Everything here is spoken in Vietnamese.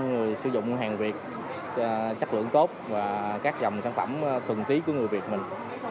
người sử dụng hàng việt chất lượng tốt và các dòng sản phẩm thuần túy của người việt mình